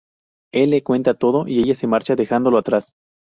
Él le cuenta todo y ella se marcha, dejándolo atrás.